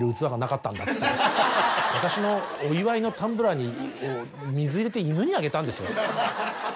私のお祝いのタンブラーに水入れて犬にあげたんですよ。